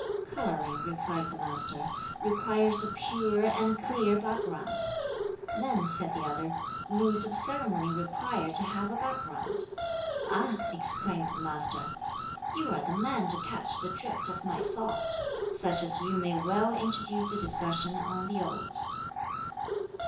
"Coloring," replied the Master, "requires a pure and clear background." "Then," said the other, "rules of ceremony require to have a background!" "Ah!" exclaimed the Master, "you are the man to catch the drift of my thought. Such as you may well introduce a discussion on the Odes."